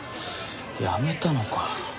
辞めたのか。